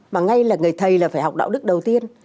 mà ngay là người thầy là phải học đạo đức đầu tiên